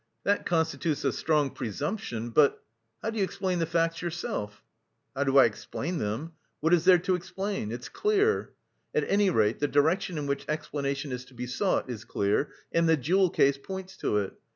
That constitutes a strong presumption, but... How do you explain the facts yourself?" "How do I explain them? What is there to explain? It's clear. At any rate, the direction in which explanation is to be sought is clear, and the jewel case points to it.